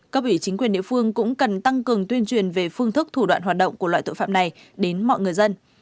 cấp ủy chính quyền địa phương cũng cần tăng cường tuyên truyền về phương thức thủ đoạn hoạt động của loại tội phạm này đến mọi người dân